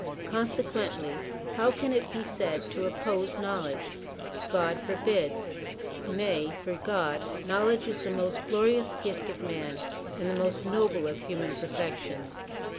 Consequently, how can it be said to oppose knowledge ? God forbid ! Nay, for God, knowledge is the most glorious gift of man, and the most noble of human perfections.